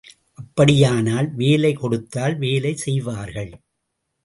அப்படியானால், வேலை கொடுத்தால் வேலை செய்வார்கள்!